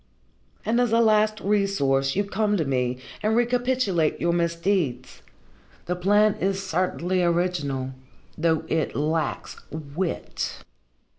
"And as a last resource you come to me and recapitulate your misdeeds. The plan is certainly original, though it lacks wit."